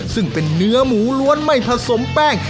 ซึ่งเป็นเนื้อหมูล้วนไม่ผสมแป้ง